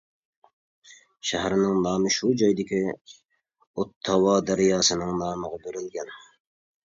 شەھەرنىڭ نامى شۇ جايدىكى ئوتتاۋا دەرياسىنىڭ نامىغا بېرىلگەن.